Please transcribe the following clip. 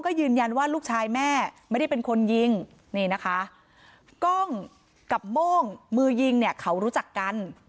ก็ยืนยันว่าลูกชายแม่ไม่ได้เป็นคนยิงนี่นะคะกล้องกับโม่งมือยิงเนี่ยเขารู้จักกัน